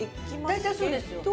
大体そうですよ。